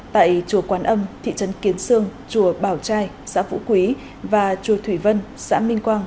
tại chùa quán âm thị trấn kiến sương chùa bảo trai xã vũ quý và chùa thủy vân xã minh quang